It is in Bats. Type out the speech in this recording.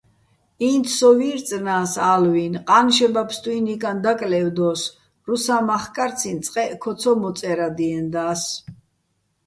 ინც სო ვი́რწნა́ს ალვინ, ყა́ნშება ფსტუჲნო̆ ჲიკაჼ დაკლე́ვდო́ს, რუსა́ მახკარციჼ წყეჸ ქო ცო მოწე́რადიენდა́ს.